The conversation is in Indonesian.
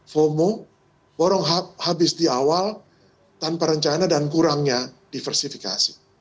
fomo borong habis di awal tanpa rencana dan kurangnya diversifikasi